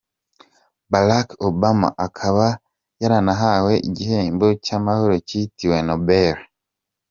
Barack Obama akaba yaranahawe igihembo cy’amahoro cyitiriwe Nobel.